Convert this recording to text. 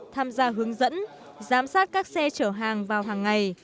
tham gia hướng dẫn giám sát các xe chở hàng vào hàng ngày